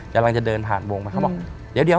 กำลังจะเดินผ่านวงไปเขาบอกเดี๋ยว